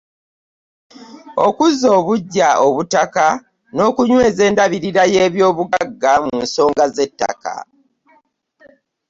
Okuzza obuggya obutaka n'okunyweza endabirira y'ebyobugagga mu nsonga z'ettaka